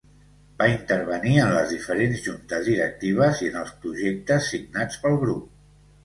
Va intervenir en les diferents juntes directives i en els projectes signats pel grup.